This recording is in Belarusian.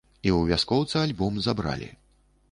І ў вяскоўца альбом забралі.